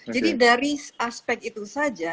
jadi dari aspek itu saja